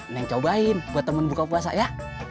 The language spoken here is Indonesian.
neng cobain buat temen buka puasa ya